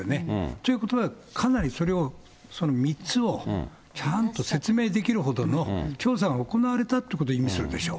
ということは、かなりそれを、その３つをちゃんと説明できるほどの調査が行われたということを意味するでしょ。